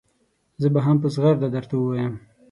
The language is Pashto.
زه به هم په زغرده درته ووایم.